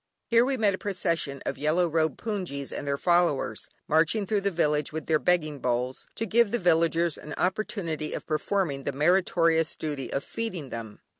Here we met a procession of yellow robed "hpoongyis" and their followers, marching through the village with their begging bowls, to give the villagers an opportunity of performing the meritorious duty of feeding them.